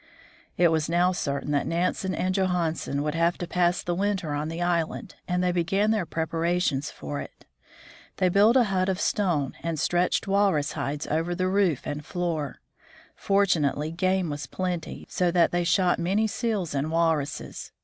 It was now certain that Nansen and Johansen would have to pass the winter on the island, and they began their preparations for it. They built a hut of stone, and stretched walrus hides over the roof and floor. Fortunately game was plenty, so that they shot many seals and walruses.